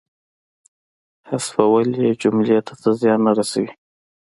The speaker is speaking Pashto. حذفول یې جملې ته څه زیان نه رسوي.